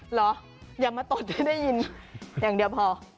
เหรออย่ามาตดให้ได้ยินอย่างเดียวพอ